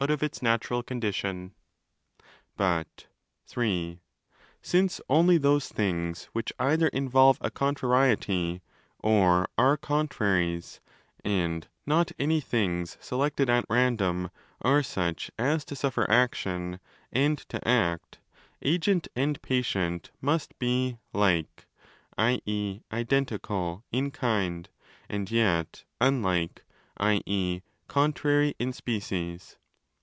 of 30its natural condition, But (iii) since only those things which either involve a 'contrariety' or are 'contraries '— and not any things selected at random—are such as to suffer action and to act, agent and patient must be 'like' (i.e. identical) in kind and yet 'unlike' (i.e. contrary) in species.